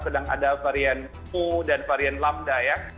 sedang ada varian mu dan varian lambda ya